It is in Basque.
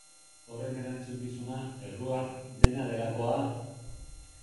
Horren erantzukizuna, errua, dena delakoa?